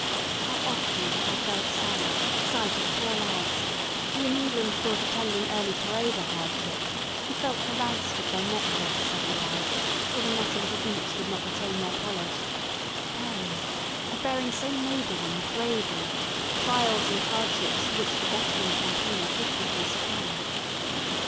How often have I felt sad at the sight of poor lads, who in England thought attending early parade a hardship, and felt harassed if their neckcloths set awry, or the natty little boots would not retain their polish, bearing, and bearing so nobly and bravely, trials and hardships to which the veteran campaigner frequently succumbed.